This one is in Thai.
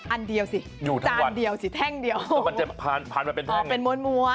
อันเดียวสิอยู่จานเดียวสิแท่งเดียวมันจะผ่านผ่านมาเป็นแท่งเป็นม้วนม้วน